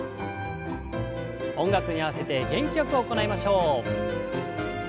音楽に合わせて元気よく行いましょう。